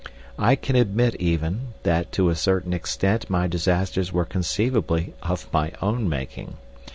I can admit, even, that to a certain extent my disasters were conceivably of my own making.